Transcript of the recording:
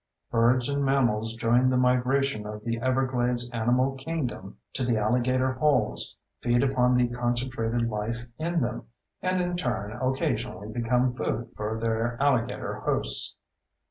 Birds and mammals join the migration of the everglades animal kingdom to the alligator holes, feed upon the concentrated life in them—and in turn occasionally become food for their alligator hosts.